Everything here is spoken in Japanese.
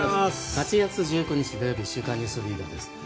８月１９日、土曜日「週刊ニュースリーダー」です。